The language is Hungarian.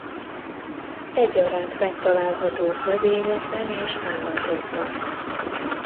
Egyaránt megtalálhatók növényekben és állatokban.